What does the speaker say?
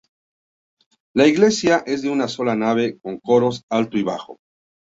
La iglesia es de una sola nave con coros alto y bajo.